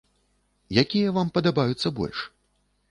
Якія вам падабаюцца больш?